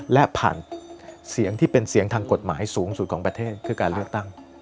และผ่านเสียงที่เป็นเสียงทางกฎหมายสูงสุดของประเทศคือการเลือกตั้ง